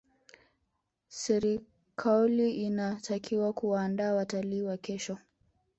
serikaoli inatakiwa kuwaandaa watalii wa kesho